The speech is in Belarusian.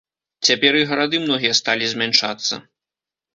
Цяпер і гарады многія сталі змяншацца.